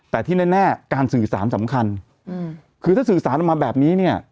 แต่ที่แน่การสื่อสารสำคัญคือถ้าสื่อสารออกมาแบบนี้เนี่ย